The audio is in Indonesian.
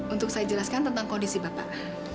untuk saya jelaskan tentang kondisi bapak